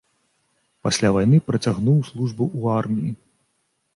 Пасля вайны працягнуў службу ў арміі.